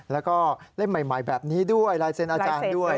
แล้วก็เล่มใหม่แบบนี้ด้วยลายเซ็นต์อาจารย์ด้วย